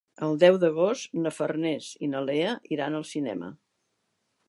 El deu d'agost na Farners i na Lea iran al cinema.